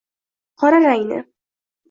qora rangni